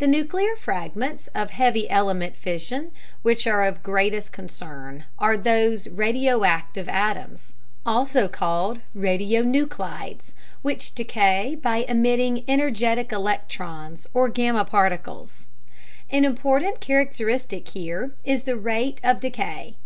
The nuclear fragments of heavy element fission which are of greatest concern are those radioactive atoms (also called radionuclides) which decay by emitting energetic electrons or gamma particles. (See "Radioactivity" note.) An important characteristic here is the rate of decay.